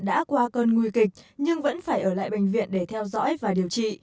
đã qua cơn nguy kịch nhưng vẫn phải ở lại bệnh viện để theo dõi và điều trị